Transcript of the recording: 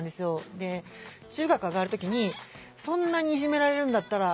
で中学あがる時にそんなにいじめられるんだったらじゃあ